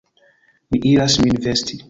Mi iras min vesti!